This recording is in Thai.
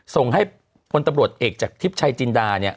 ส่งให้พลตำรวจเอกจากทิพย์ชัยจินดาเนี่ย